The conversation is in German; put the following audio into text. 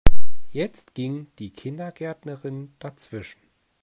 Jetzt ging die Kindergärtnerin dazwischen.